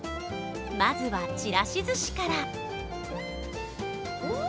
まずは、ちらしずしから。